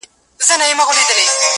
او کارونه د بل چا کوي,